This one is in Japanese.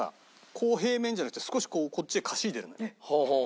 こう平面じゃなくて少しこっちへかしいでるちょっと。